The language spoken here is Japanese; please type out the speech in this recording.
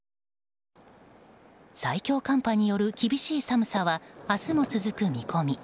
最強寒波による厳しい寒さは明日も続く見込み。